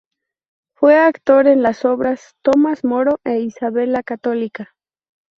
Fue actor en las obras "Tomas Moro" e "Isabel, la Católica".